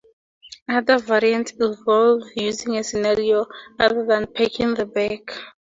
Other variations involve using a scenario other than packing the bag.